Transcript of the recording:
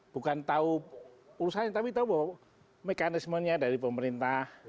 bukan tahu urusannya tapi tahu bahwa mekanismenya dari pemerintah